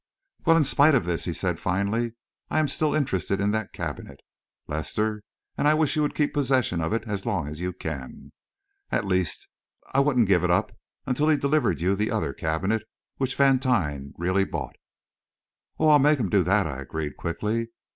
"Well, in spite of this," he said finally, "I am still interested in that cabinet, Lester, and I wish you would keep possession of it as long as you can. At least, I wouldn't give it up until he delivered to you the other cabinet which Vantine really bought." "Oh, I'll make him do that," I agreed quickly.